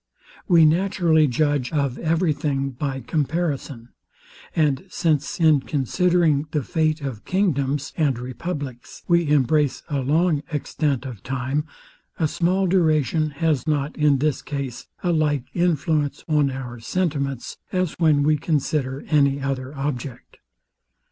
We naturally judge of every thing by comparison; and since in considering the fate of kingdoms and republics, we embrace a long extent of time, a small duration has not in this case a like influence on our sentiments, as when we consider any other object.